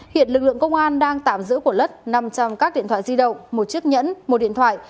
hiện lực lượng công an đang tạm giữ của lất năm trăm linh các điện thoại di động một chiếc nhẫn một điện thoại